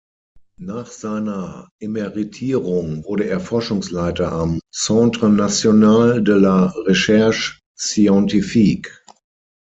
Nach seiner Emeritierung wurde er Forschungsleiter am Centre national de la recherche scientifique.